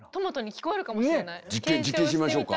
実験しましょうか。